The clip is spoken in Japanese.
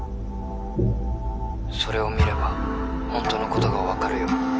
☎それを見ればホントのことが分かるよ